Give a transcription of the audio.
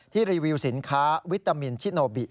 รีวิวสินค้าวิตามินชิโนบิ